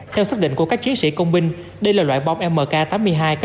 theo xác định của các chiến sĩ công binh đây là loại bom mk tám mươi hai